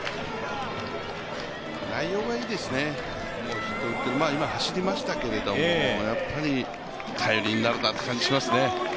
内容がいいですねヒットも打って今、走りましたけど、やっぱり頼りになるなって感じがしますね。